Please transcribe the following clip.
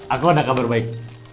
aku ada kabar baik